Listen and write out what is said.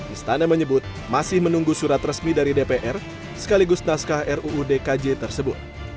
istana menyebut masih menunggu surat resmi dari dpr sekaligus naskah ruu dkj tersebut